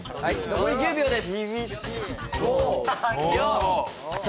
残り１０秒です。